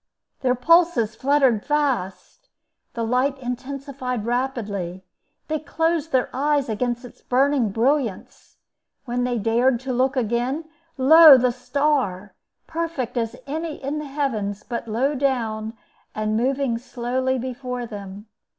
Their pulses fluttered fast. The light intensified rapidly; they closed their eyes against its burning brilliance: when they dared look again, lo! the star, perfect as any in the heavens, but low down and moving slowly before them.